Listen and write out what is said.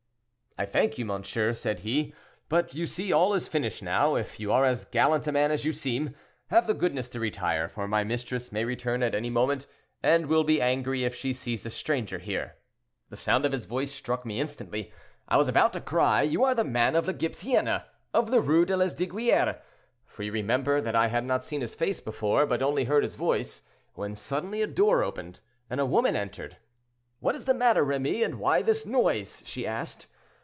'I thank you, monsieur,' said he; 'but you see all is finished now; if you are as gallant a man as you seem, have the goodness to retire, for my mistress may return at any moment, and will be angry if she sees a stranger here.' "The sound of his voice struck me instantly. I was about to cry, 'You are the man of La Gypecienne—of the Rue de Lesdiguieres!' for you remember that I had not seen his face before, but only heard his voice, when suddenly a door opened, and a woman entered. 'What is the matter, Remy, and why this noise?' she asked.